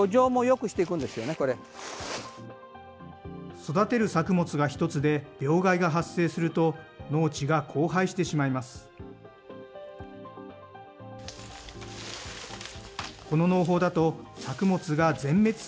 育てる作物が１つで、病害が発生すると、農地が荒廃してしまいます。